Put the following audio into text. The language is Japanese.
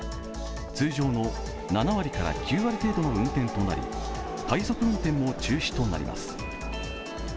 通常の７割から９割程度の運転となり快速運転も中止となります。